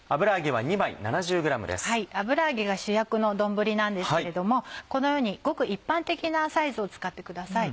油揚げが主役の丼なんですけれどもこのようにごく一般的なサイズを使ってください。